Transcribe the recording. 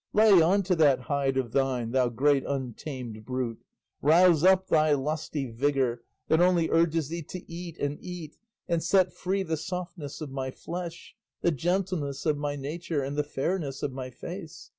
Lay on to that hide of thine, thou great untamed brute, rouse up thy lusty vigour that only urges thee to eat and eat, and set free the softness of my flesh, the gentleness of my nature, and the fairness of my face.